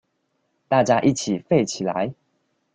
大家一起廢起來